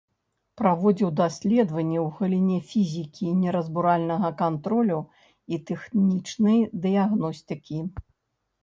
Праводзіў даследаванні ў галіне фізікі неразбуральнага кантролю і тэхнічнай дыягностыкі.